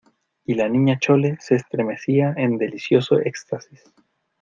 y la Niña Chole se estremecía en delicioso éxtasis